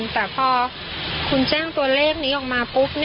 แต่พอคุณแจ้งตัวเลขนี้ออกมาปุ๊บ